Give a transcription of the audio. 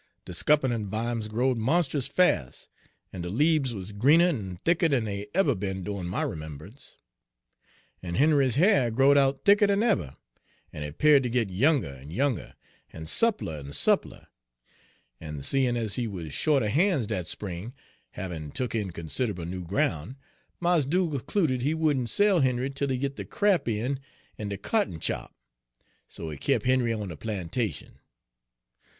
De scuppernon' vimes growed monst's fas', en de leaves wuz greener en thicker den dey eber be'n dyoin' my rememb'ance; en Henry's ha'r growed out thicker den eber, en he 'peared ter git younger 'n younger, en soopler 'n soopler; en seein' ez he wuz sho't er han's dat spring, havin' tuk in consid'able noo groun', Mars Dugal' 'cluded he wouldn' sell Henry 'tel he git de crap in en de cotton chop'. So he kep' Henry on de plantation.